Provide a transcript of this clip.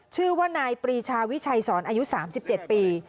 ชื่อว่านายปรีชาวิชัยสอนอายุ๓๗ปี